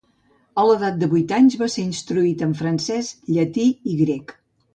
A l'edat de vuit anys, va ser instruït en francès, llatí i grec.